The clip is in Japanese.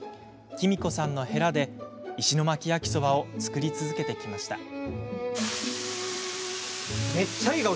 きみ子さんのへらで石巻焼きそばを作り続けてきました。